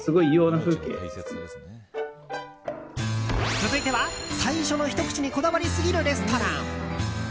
続いては、最初のひと口にこだわりすぎるレストラン。